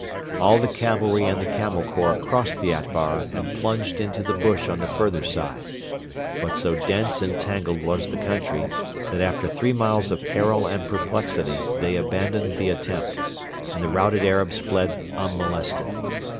All the cavalry and the Camel Corps crossed the Atbara and plunged into the bush on the further side. But so dense and tangled was the country that after three miles of peril and perplexity they abandoned the attempt, and the routed Arabs fled unmolested.